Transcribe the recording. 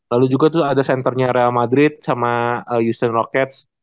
lalu juga tuh ada centernya real madrid sama yusen rockets